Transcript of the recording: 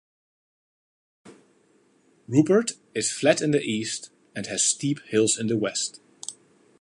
Rupert is flat in the east and has steep hills in the west.